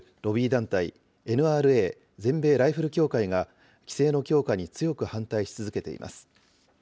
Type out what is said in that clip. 団体、ＮＲＡ・全米ライフル協会が規制の強化に強く反対し続けています。